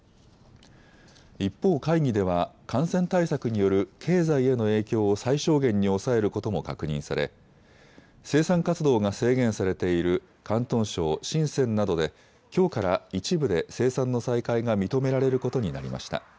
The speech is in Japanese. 一方、会議では感染対策による経済への影響を最小限に抑えることも確認され生産活動が制限されている広東省深センなどできょうから一部で生産の再開が認められることになりました。